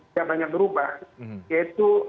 saya ke mas nugi dulu bagaimana mas nugi